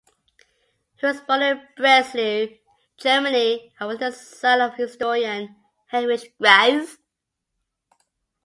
He was born in Breslau, Germany, and was the son of historian Heinrich Graetz.